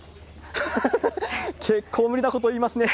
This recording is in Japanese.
結構無理なこと言いますね。